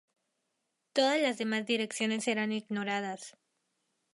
Todas las demás direcciones serán ignoradas.